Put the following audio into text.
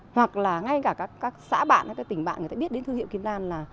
hoặc là ngay cả các xã bạn các tỉnh bạn người ta biết đến thương hiệu kim lan là